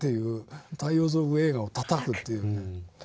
太陽族映画をたたく」というね。